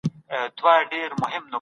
طبابت یې ماته نه وو را ښودلی